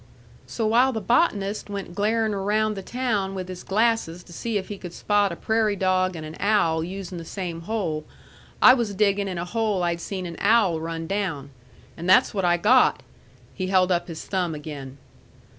"So while the botanist went glarin' around the town with his glasses to see if he could spot a prairie dog and an owl usin' the same hole, I was diggin' in a hole I'd seen an owl run down. And that's what I got." He held up his thumb again.